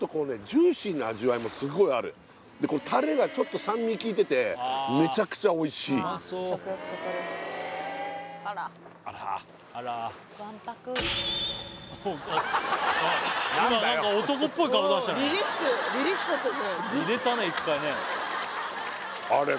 ジューシーな味わいもすごいあるでタレがちょっと酸味きいててめちゃくちゃ美味しいあれ？